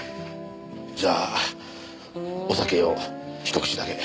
じゃあお酒をひと口だけ。